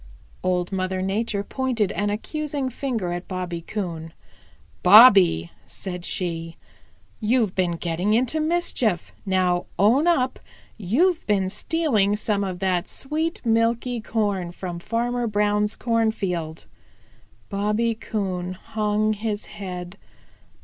Old Mother Nature pointed an accusing finger at Bobby Coon. "Bobby," said she, "You've been getting in mischief. Now own up you've been stealing some of that sweet, milky corn from Farmer Brown's cornfield." Bobby Coon hung his head.